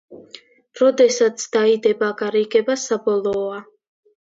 როდესაც დაიდება, გარიგება საბოლოოა.